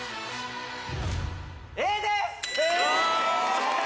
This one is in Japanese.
Ａです！